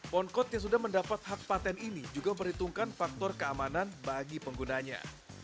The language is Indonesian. poncode yang sudah mendapat hak patent ini juga memperhitungkan faktor keamanan bagi penggunanya